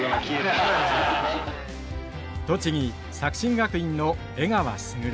栃木作新学院の江川卓。